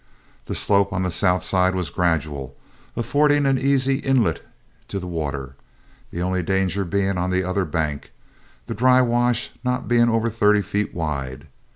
The slope on the south side was gradual, affording an easy inlet to the water, the only danger being on the other bank, the dry wash not being over thirty feet wide.